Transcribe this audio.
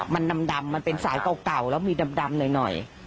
มันดำมันเป็นสายเก่าแล้วมีดำหน่อย